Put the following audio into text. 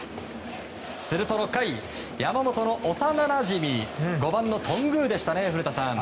すると６回、山本の幼なじみ５番の頓宮裕真でしたね古田さん。